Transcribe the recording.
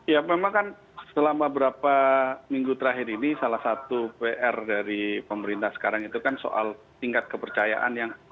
ya memang kan selama berapa minggu terakhir ini salah satu pr dari pemerintah sekarang itu kan soal tingkat kepercayaan yang